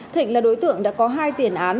thịnh là đối tượng đã có hai tiền án